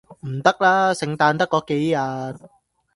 唔得啦，聖誕得嗰幾日